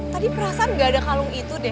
tadi perasaan gak ada kalung itu deh